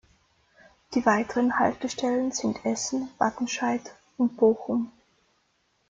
Die weiteren Haltestellen sind Essen, Wattenscheid und Bochum.